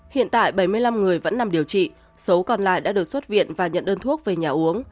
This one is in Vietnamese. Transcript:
hiện tại bảy mươi năm người vẫn nằm điều trị số còn lại đã được xuất viện và nhận đơn thuốc về nhà uống